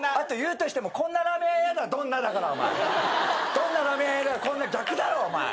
どんなラーメン屋は嫌だこんな逆だろお前！